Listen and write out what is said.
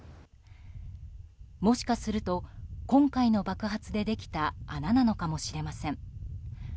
もしかすると今回の爆発でできた穴なのかもしれません。